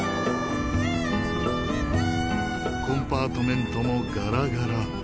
コンパートメントもガラガラ。